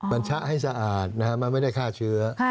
มันชะให้สะอาดมันไม่ได้ฆ่าเชื้อ